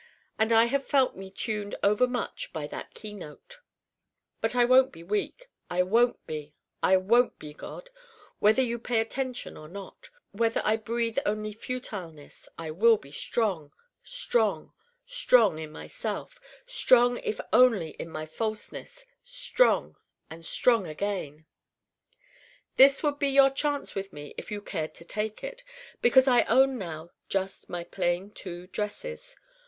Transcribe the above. And I have felt me tuned overmuch by that keynote. but I won't be weak, I won't be, I won't be, God! Whether you pay attention or not, whether I breathe only futileness, I will be strong, strong, strong in myself strong if only in my falseness strong and strong again This would be your chance with me if you cared to take it: because I own now just my plain two dresses.